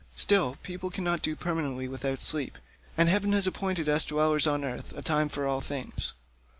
Still, people cannot do permanently without sleep, and heaven has appointed us dwellers on earth a time for all things.